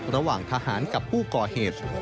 ระหว่างทหารกับผู้ก่อเหตุ